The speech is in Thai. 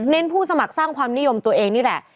ผู้สมัครสร้างความนิยมตัวเองนี่แหละ